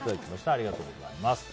ありがとうございます。